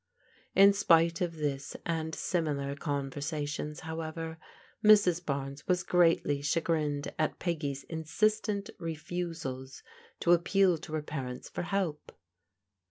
In spite of this and similar conversations, however, Mrs. Barnes was greatly chagrined at Peggy's insistent refusals to appeal to her parents for help.